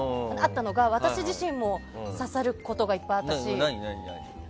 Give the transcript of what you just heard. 私自身も刺さることがいっぱいあったし。